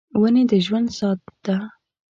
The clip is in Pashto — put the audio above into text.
ونې د ژوند ساه ده.